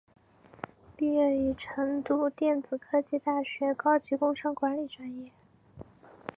毕业于成都电子科技大学高级工商管理专业。